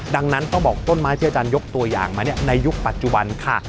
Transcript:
ดังนั้นต้องบอกต้นไม้ที่อาจารยกตัวอย่างมาในยุคปัจจุบันค่ะ